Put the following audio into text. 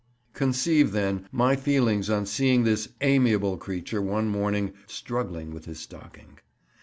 Conceive, then, my feelings on seeing this amiable creature one morning struggling with his stocking.